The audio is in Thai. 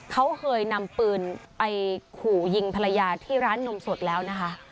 เขาเคยนำปืนไปขู่ยิงภรรยาที่ร้านนมสดแล้วนะคะ